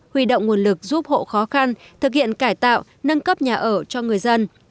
huy động nguồn lực giúp hộ khó khăn thực hiện cải tạo nâng cấp nhà ở cho người dân